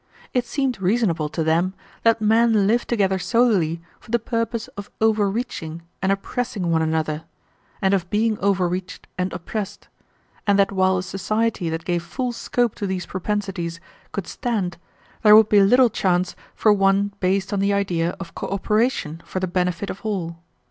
It seemed reasonable to them that men lived together solely for the purpose of overreaching and oppressing one another, and of being overreached and oppressed, and that while a society that gave full scope to these propensities could stand, there would be little chance for one based on the idea of cooperation for the benefit of all.